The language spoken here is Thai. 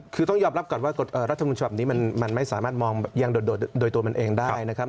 คือต้องยอมรับก่อนว่ารัฐมนต์ฉบับนี้มันไม่สามารถมองยังโดดโดยตัวมันเองได้นะครับ